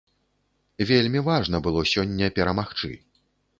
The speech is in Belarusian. Вельмі важна было сёння перамагчы.